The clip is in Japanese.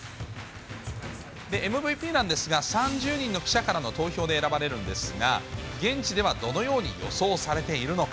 ＭＶＰなんですが、３０人の記者からの投票で選ばれるんですが、現地ではどのように予想されているのか。